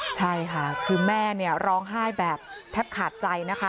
ใช่ค่ะคือแม่เนี่ยร้องไห้แบบแทบขาดใจนะคะ